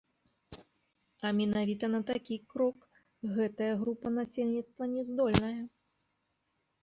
А менавіта на такі крок гэтая група насельніцтва не здольная.